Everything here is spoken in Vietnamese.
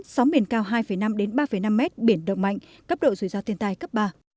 sóng biển cao hai năm đến ba năm m biển đồng mạnh cấp độ rủi ro tiền tài cấp ba